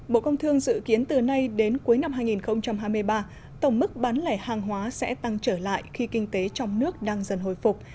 bộ công thương dự kiến từ nay đến cuối năm hai nghìn hai mươi ba tổng mức bán lẻ hàng hóa sẽ tăng trở lại khi kinh tế trong nước đang dần hồi phục